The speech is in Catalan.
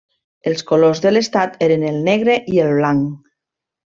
Els colors de l'estat eren el negre i el blanc.